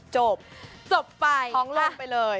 จบจบไปจบพ่อท้องลมไปเลย